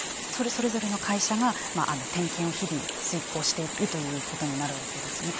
それぞれの会社が点検を日々遂行しているということになるわけですね。